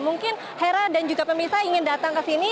mungkin hera dan juga pemirsa ingin datang ke sini